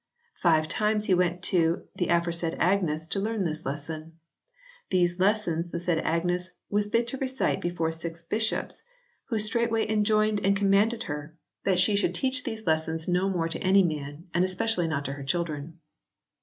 "Five times he went to the aforesaid Agnes to learn this lesson... These lessons the said Agnes was bid to recite before six bishops, who straightway enjoined and commanded her that she should teach those lessons 32 HISTORY OF THE ENGLISH BIBLE [CH. no more to any man, and especially not to her children."